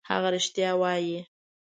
هغه رښتیا وايي.